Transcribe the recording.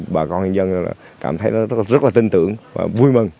bà con nhân dân cảm thấy rất là tin tưởng và vui mừng